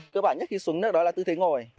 cơ bản nhất khi xuống nước đó là tư thế ngồi